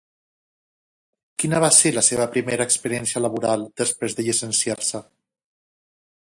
Quina va ser la seva primera experiència laboral després de llicenciar-se?